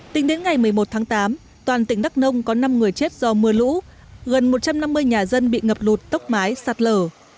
tính đến ngày một mươi một tháng tám toàn tỉnh đắk nông có năm người chết do mưa lũ gần một trăm năm mươi nhà dân bị ngập lụt tốc mái sạt lở